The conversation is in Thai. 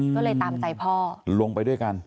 ก็เลยตามใจพ่อลงไปด้วยกัน